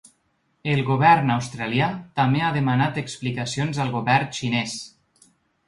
El govern australià també ha demanat explicacions al govern xinès.